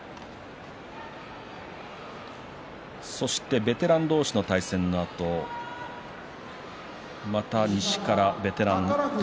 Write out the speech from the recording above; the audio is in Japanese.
そしてベテラン同士の対戦のあとまた西からベテラン宝